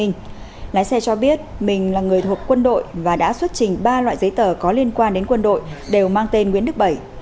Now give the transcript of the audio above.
lái xe cho biết mình là người thuộc quân đội và đã xuất trình ba loại giấy tờ có liên quan đến quân đội đều mang tên nguyễn đức bảy